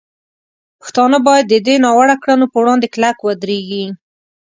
پښتانه باید د دې ناوړه کړنو په وړاندې کلک ودرېږي.